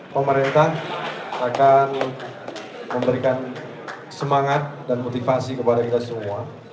pemerintah akan memberikan semangat dan motivasi kepada kita semua